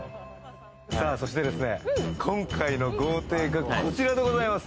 そしてですね、今回の豪邸がこちらでございます。